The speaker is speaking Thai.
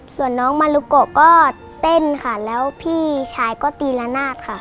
ส่วนน้องมารุโกก็เต้นค่ะแล้วพี่ชายก็ตีละนาดค่ะ